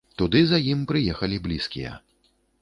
Туды за ім прыехалі блізкія.